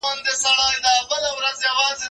زه پاکوالي نه ساتم